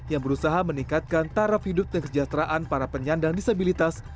yang berusaha meningkatkan taraf hidup dan kesejahteraan para penyandang disabilitas